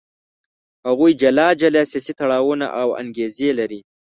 هغوی جلا جلا سیاسي تړاوونه او انګېزې لري.